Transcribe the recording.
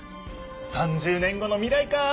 ３０年後の未来か。